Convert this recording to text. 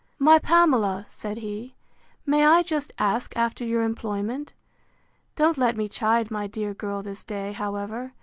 My Pamela! said he, May I just ask after your employment? Don't let me chide my dear girl this day, however.